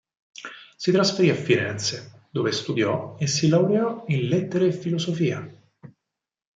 Si trasferì a Firenze dove studiò e si laureò in lettere e filosofia.